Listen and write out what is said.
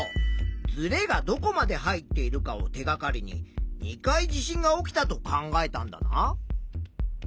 ずれがどこまで入っているかを手がかりに２回地震が起きたと考えたんだな。